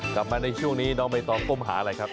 กลับมาในช่วงนี้น้องใบตองก้มหาอะไรครับ